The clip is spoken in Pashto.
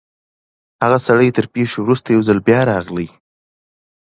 هغه سړی تر پېښي وروسته یو ځل بیا راغلی.